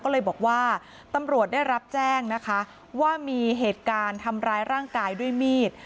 ก็เลยบอกว่าตำรวจได้รับแจ้งนะคะว่ามีเหตุการณ์ทำร้ายร่างกายด้วยมีด